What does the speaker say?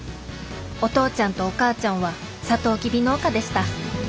お父ちゃんとお母ちゃんはサトウキビ農家でしたうっ。